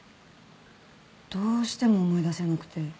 どうしても思い出せなくて。